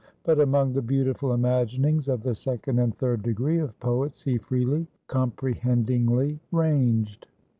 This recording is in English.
But among the beautiful imaginings of the second and third degree of poets, he freely and comprehendingly ranged.